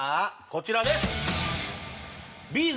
こちらです！